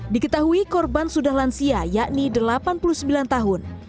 diketahui korban sudah lansia yakni delapan puluh sembilan tahun